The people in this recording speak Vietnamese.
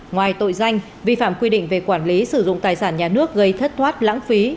ngoài tội danh vi phạm quy định về quản lý sử dụng tài sản nhà nước gây thất thoát lãng phí